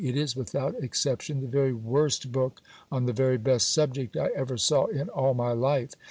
It is, without exception, the very worst book on the very best subject I ever saw in all my life....